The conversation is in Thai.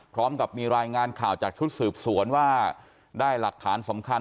พร้อมกับมีรายงานข่าวจากชุดสืบสวนว่าได้หลักฐานสำคัญ